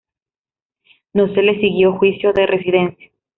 No se le siguió juicio de residencia.